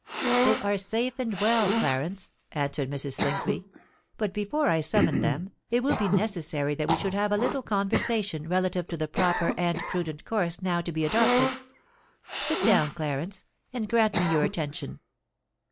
"They are safe and well, Clarence," answered Mrs. Slingsby. "But before I summon them, it will be necessary that we should have a little conversation relative to the proper and prudent course now to be adopted. Sit down, Clarence, and grant me your attention."